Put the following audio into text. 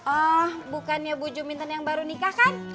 oh bukannya bu jumintan yang baru nikah kan